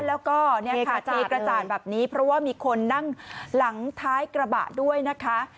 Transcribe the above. แล้วก็เนี่ยค่ะเทกระจ่านแบบนี้เพราะว่ามีคนนั่งหลังท้ายกระบะด้วยนะคะ